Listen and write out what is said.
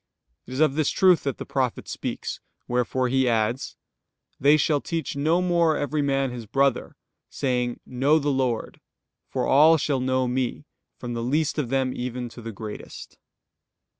It is of this truth that the prophet speaks; wherefore he adds: "They shall teach no more every man his brother, saying: 'Know the Lord': for all shall know Me, from the least of them even to the greatest."